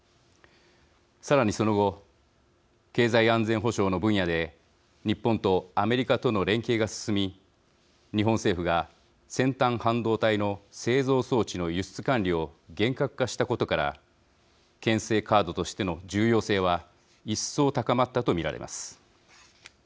さらにその後経済安全保障の分野で日本とアメリカとの連携が進み日本政府が先端半導体の製造装置の輸出管理を厳格化したことからけん制カードとしての重要性は一層、高まったと見られます。